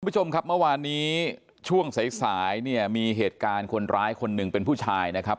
คุณผู้ชมครับเมื่อวานนี้ช่วงสายสายเนี่ยมีเหตุการณ์คนร้ายคนหนึ่งเป็นผู้ชายนะครับ